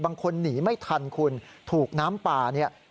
บางคนหนีไม่ทันถูกน้ำป่า